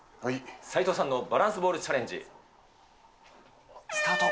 斉藤さんのバランスボールチャレンジ、スタート。